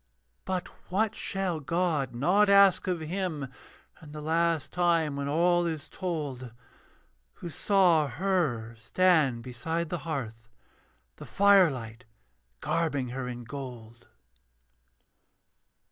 But what shall God not ask of him In the last time when all is told, Who saw her stand beside the hearth, The firelight garbing her in gold?